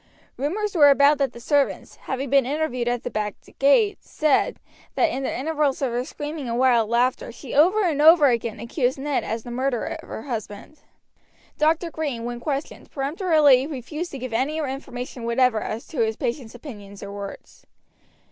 Rumors were about that the servants, having been interviewed at the back gate, said, that in the intervals of her screaming and wild laughter she over and over again accused Ned as the murderer of her husband. Dr. Green, when questioned, peremptorily refused to give any information whatever as to his patient's opinions or words.